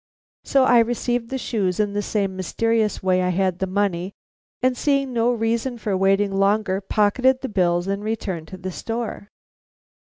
So I received the shoes in the same mysterious way I had the money, and seeing no reason for waiting longer, pocketed the bills and returned to the store."